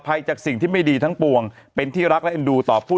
จากสิ่งที่ไม่ดีทั้งปวงเป็นที่รักและเอ็นดูต่อผู้